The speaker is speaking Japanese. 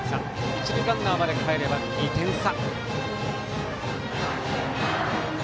一塁ランナーまでかえれば２点差。